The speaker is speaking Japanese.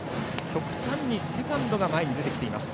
極端にセカンドが前に出てきています。